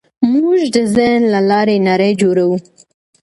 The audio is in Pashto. موږ د ذهن له لارې نړۍ جوړوو.